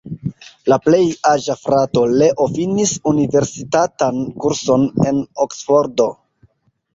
La plej aĝa frato, Leo, finis universitatan kurson en Oksfordo.